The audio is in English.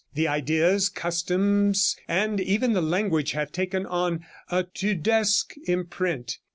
The ideas, customs and even the language have taken on a Tudesque imprint.